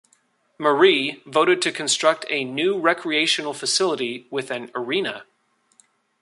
Marie voted to construct a new recreational facility with an arena.